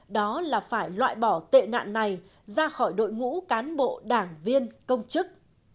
đó là phải loại bỏ tệ nạn này ra khỏi đội ngũ cán bộ đảng viên công chức